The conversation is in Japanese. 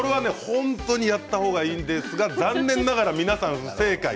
本当にやった方がいいんですが残念ながら皆さん不正解。